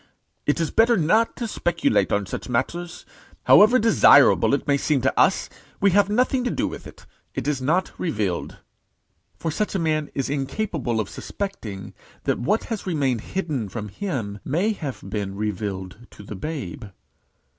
It is better not to speculate on such matters. However desirable it may seem to us, we have nothing to do with it. It is not revealed." For such a man is incapable of suspecting, that what has remained hidden from him may have been revealed to the babe.